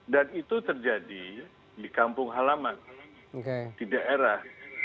dan itu terjadi di kampung halaman di daerah